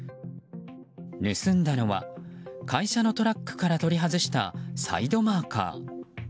盗んだのは、会社のトラックから取り外したサイドマーカー。